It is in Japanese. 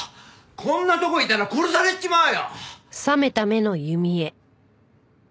こんなとこいたら殺されちまうよ！